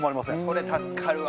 それ助かるわ！